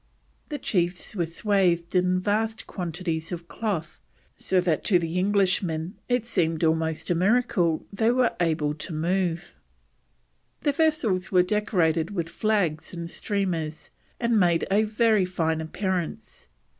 The chiefs were swathed in vast quantities of cloth, so that to the Englishmen it seemed almost a miracle they were able to move. The vessels were decorated with flags and streamers, and made a very fine appearance.